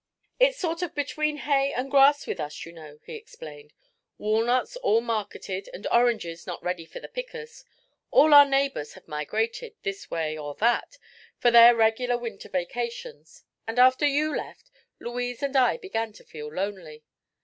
"It's sort of between hay and grass with us, you know," he explained. "Walnuts all marketed and oranges not ready for the pickers. All our neighbors have migrated, this way or that, for their regular winter vacations, and after you all left, Louise and I began to feel lonely.